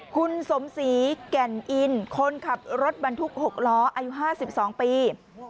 คุณสมศรีแก่นอินคนขับรถบรรทุก๖ล้ออายุ๕๒ปี